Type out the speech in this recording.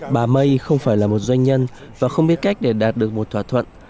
bà may không phải là một doanh nhân và không biết cách để đạt được một thỏa thuận